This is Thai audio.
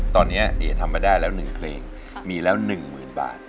ตอนนี้เอ๋ทำมาได้แล้ว๑เพลงมีแล้ว๑๐๐๐บาท